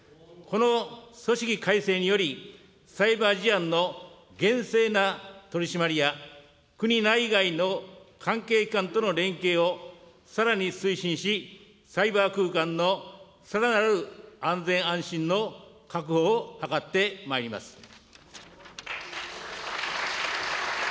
この組織改正により、サイバー事案の厳正な取り締まりや、国内外の関係機関との連携をさらに推進し、サイバー空間のさらなる安全、安心の確保を図ってまいります。